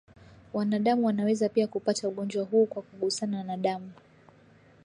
Wanadamu wanaweza pia kupata ugonjwa huu kwa kugusana na damu